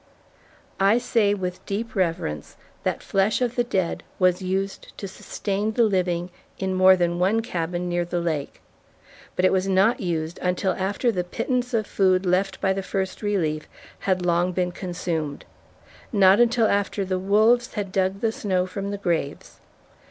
I say with deep reverence that flesh of the dead was used to sustain the living in more than one cabin near the lake. But it was not used until after the pittance of food left by the First Relief had long been consumed; not until after the wolves had dug the snow from the graves.